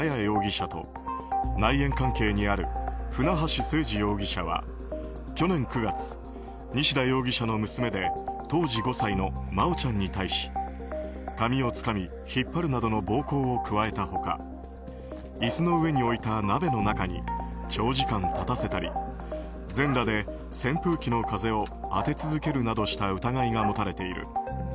容疑者と内縁関係にある船橋誠二容疑者は去年９月、西田容疑者の娘で当時５歳の真愛ちゃんに対し、髪をつかみ引っ張るなどの暴行を加えた他椅子の上に置いた鍋の中に長時間立たせたり全裸で扇風機の風を当て続けるなどした疑いが持たれている。